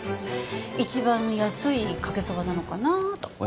一番安いかけそばなのかなと。